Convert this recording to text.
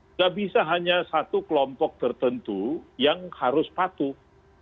nggak bisa hanya satu kelompok tertentu yang harus patuh